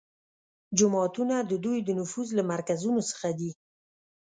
جوماتونه د دوی د نفوذ له مرکزونو څخه دي